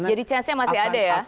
jadi chance nya masih ada ya